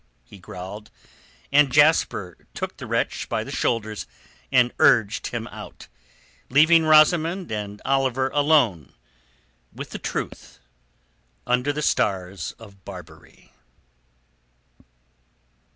he growled, and Jasper took the wretch by the shoulders and urged him out, leaving Rosamund and Oliver alone with the truth under the stars of Barbary.